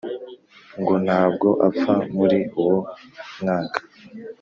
ngo ntabwo apfa muri uwo mwaka